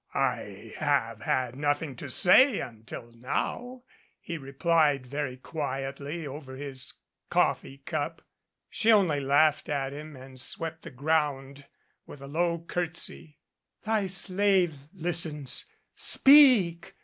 "I have had nothing to say until now," he replied, very quietly, over his coffee cup. She only laughed at him and swept the ground with a low curtesy. "Thy slave listens. Speak!